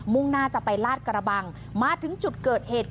่งหน้าจะไปลาดกระบังมาถึงจุดเกิดเหตุ